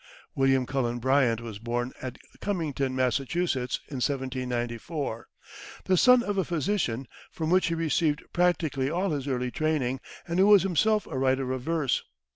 William Cullen Bryant was born at Cummington, Massachusetts, in 1794, the son of a physician, from whom he received practically all his early training, and who was himself a writer of verse.